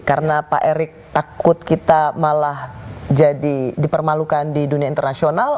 karena pak erik takut kita malah jadi dipermalukan di dunia internasional